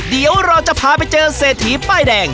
เดี๋ยวเราจะพาไปเจอเศรษฐีป้ายแดง